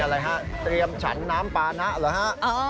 อะไรฮะเตรียมฉันน้ำปานะเหรอฮะ